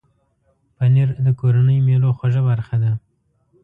پنېر د کورنۍ مېلو خوږه برخه ده.